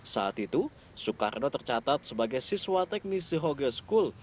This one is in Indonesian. saat itu soekarno tercatat sebagai siswa teknisi hoge school